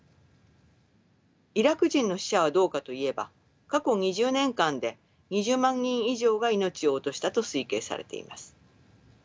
イラク人の死者はどうかといえば過去２０年間で２０万人以上が命を落としたと推計されています。